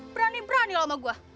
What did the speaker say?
berani berani lo sama gua